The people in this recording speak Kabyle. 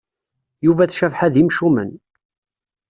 Yuba d Cabḥa d imcumen.